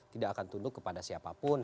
tidak akan tunduk kepada siapapun